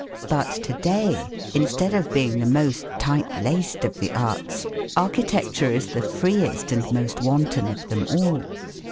But to day, instead of being the most tight laced of the arts, architecture is the freest and most wanton of them all.